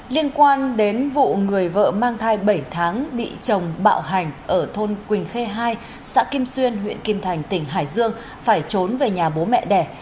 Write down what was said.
liên quan đến vụ người vợ mang thai bảy tháng bị chồng bạo hành ở thôn quỳnh khê hai xã kim xuyên huyện kim thành tỉnh hải dương phải trốn về nhà bố mẹ đẻ